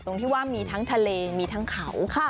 ตรงที่ว่ามีทั้งทะเลมีทั้งเขา